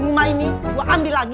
rumah ini gue ambil lagi